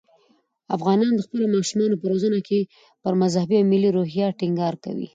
افغانان د خپلو ماشومانو په روزنه کې پر مذهبي او ملي روحیه ټینګار کوي.